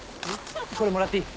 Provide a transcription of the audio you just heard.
これもらっていい？